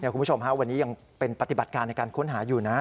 คุณผู้ชมวันนี้ยังเป็นปฏิบัติการในการค้นหาอยู่นะ